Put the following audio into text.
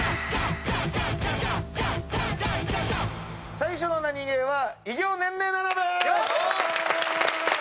最初のナニゲーは偉業年齢ならべ！